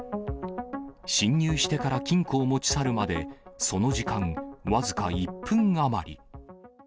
侵入してから金庫を持ち去るまでその時間、僅か１分余り。